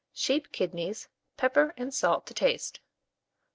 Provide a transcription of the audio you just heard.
Sheep kidneys, pepper and salt to taste.